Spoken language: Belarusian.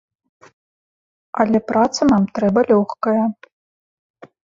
Але праца нам трэба лёгкая.